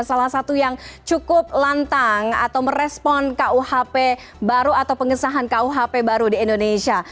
salah satu yang cukup lantang atau merespon kuhp baru atau pengesahan kuhp baru di indonesia